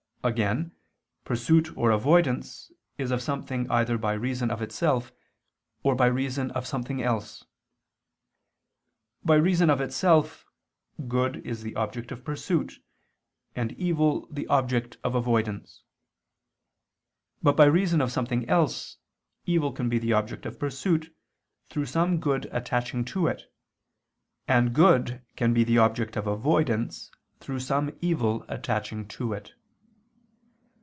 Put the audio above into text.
Again, pursuit or avoidance is of something either by reason of itself or by reason of something else. By reason of itself, good is the object of pursuit, and evil, the object of avoidance: but by reason of something else, evil can be the object of pursuit, through some good attaching to it; and good can be the object of avoidance, through some evil attaching to it.